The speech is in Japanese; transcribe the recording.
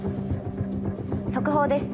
速報です